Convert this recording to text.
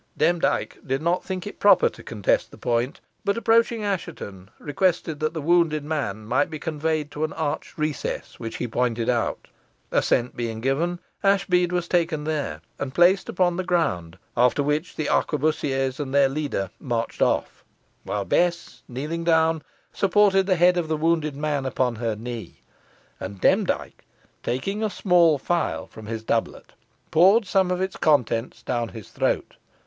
Demdike did not think proper to contest the point, but, approaching Assheton, requested that the wounded man might be conveyed to an arched recess, which he pointed out. Assent being given, Ashbead was taken there, and placed upon the ground, after which the arquebussiers and their leader marched off; while Bess, kneeling down, supported the head of the wounded man upon her knee, and Demdike, taking a small phial from his doublet, poured some of its contents clown his throat.